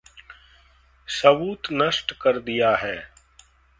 सबूत नष्ट कर दिया है।